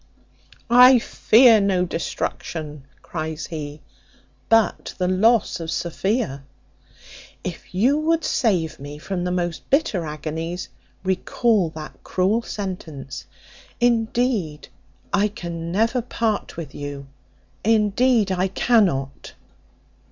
"I fear no destruction," cries he, "but the loss of Sophia. If you would save me from the most bitter agonies, recall that cruel sentence. Indeed, I can never part with you, indeed I cannot."